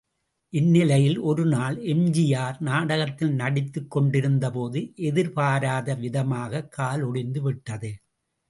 இந்நிலையில் ஒரு நாள் எம்.ஜி.ஆர் நாடகத்தில் நடித்துக் கொண்டிருந்தபோது எதிர்பாராத விதமாக கால் ஒடிந்துவிட்டது.